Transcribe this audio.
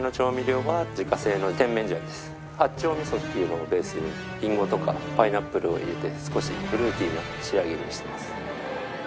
八丁味噌というのをベースにリンゴとかパイナップルを入れて少しフルーティーな仕上げにしています。